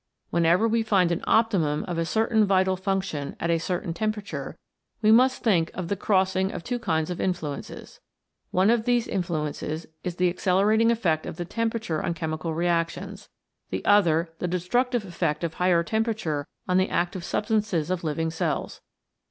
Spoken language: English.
Whenever we find an Optimum of a certain vital function at a certain temperature we must think of the crossing of two kinds of influences. One of these in fluences is the accelerating effect of the tem perature on chemical reactions, the other the destructive effect of higher temperature on the active substances of living cells.